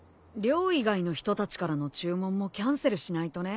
寮以外の人たちからの注文もキャンセルしないとね。